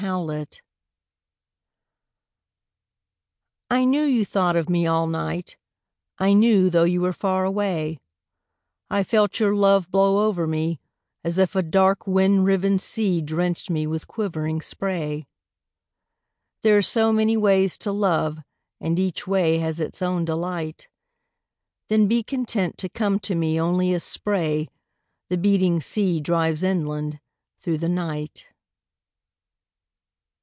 Spray I knew you thought of me all night, I knew, though you were far away; I felt your love blow over me As if a dark wind riven sea Drenched me with quivering spray. There are so many ways to love And each way has its own delight Then be content to come to me Only as spray the beating sea Drives inland through the night.